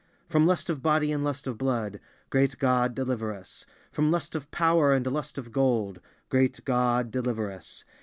From lust of body and lust of bloodGreat God, deliver us! From lust of power and lust of gold, Great God, deliver us!